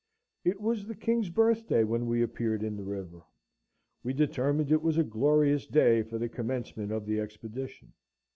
It was the King's birthday when we appeared in the river: we determined it was a glorious day for the commencement of the expedition.